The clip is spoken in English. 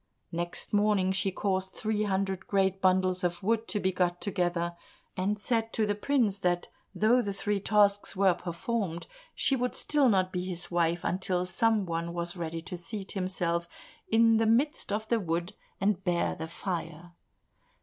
Next morning she caused three hundred great bundles of wood to be got together, and said to the prince that though the three tasks were performed, she would still not be his wife until some one was ready to seat himself in the midst of the wood, and bear the fire.